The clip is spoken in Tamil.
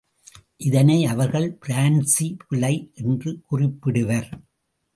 இதனை அவர்கள் பிரான்ஸி பிளை என்று குறிப்பிடுவர்.